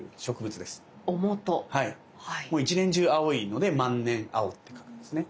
一年中青いので「万年青」って書くんですね。